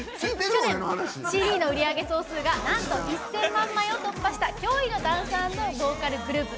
ＣＤの売り上げ総数がなんと１０００万枚を突破した驚異のダンス＆ボーカルグループ。